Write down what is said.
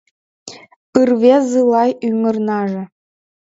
Ырвезы-лай ӱмырнаже